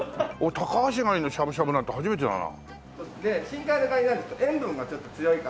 タカアシガニのしゃぶしゃぶって初めてだな。